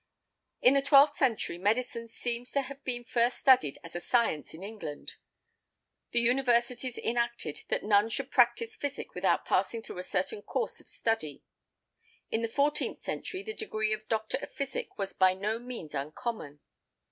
In the twelfth century medicine seems to have been first studied as a science in England. The Universities enacted that none should practise physic without passing through a certain course of study. In the fourteenth century the degree of Doctor of Physic was by no means uncommon.